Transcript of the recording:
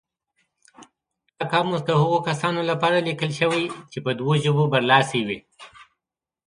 دا قاموس د هغو کسانو لپاره لیکل شوی چې په دوو ژبو برلاسي وي.